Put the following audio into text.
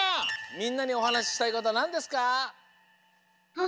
みんなにおはなししたいことなんですか？